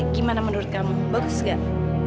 gimana menurut kamu bagus gak